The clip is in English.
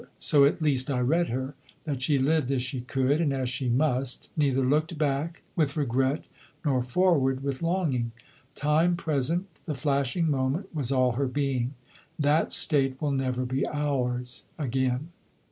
So, at least, I read her that she lived as she could and as she must, neither looked back with regret nor forward with longing. Time present, the flashing moment, was all her being. That state will never be ours again.